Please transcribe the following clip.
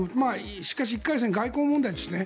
しかし、１回戦外交問題ですね。